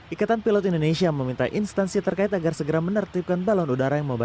ikatan pilot indonesia meminta instansi terkait agar segera menertibkan balon udara yang memperbaiki